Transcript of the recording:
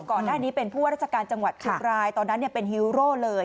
ก่อนหน้านี้เป็นผู้ว่าราชการจังหวัดเชียงรายตอนนั้นเป็นฮีโร่เลย